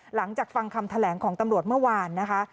หลังจากฟังคำแถลงของตำรวจเมื่อวานนะคะ